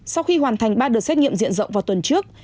sau khi hoàn thành ba đợt xét nghiệm diện rộng vào tuần trước